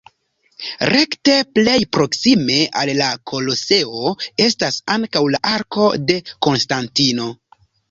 Rekte plej proksime al la Koloseo estas ankaŭ la Arko de Konstantino.